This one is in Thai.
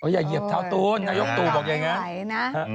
อย่าเหยียบเท้าตูนนายกตู่บอกอย่างนั้น